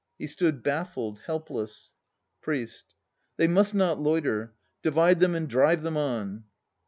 He stood baffled, helpless. ... PRIEST. They must not loiter. Divide them and drive them on!